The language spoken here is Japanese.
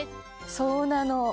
そうなの！